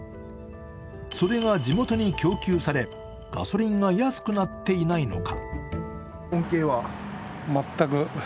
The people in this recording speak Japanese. それが地元に供給され、ガソリンが安くなっていないのか。